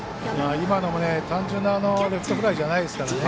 今のも単純なレフトフライじゃないですからね。